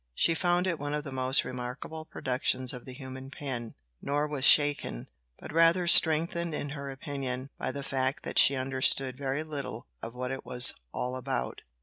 She found it one of the most remarkable productions of the human pen, nor was shaken, but rather strengthened in her opinion by the fact that she understood very little of what it was all about.